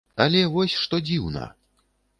Але вось што дзіўна!